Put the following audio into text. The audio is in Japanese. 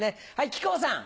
木久扇さん。